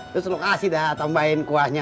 terus lu kasih dah tambahin kuahnya